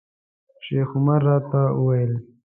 شیخ عمر راته وویل.